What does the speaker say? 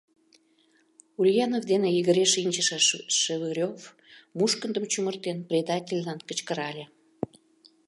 — Ульянов дене йыгыре шинчыше Шевырев, мушкындым чумыртен, предательлан кычкырале.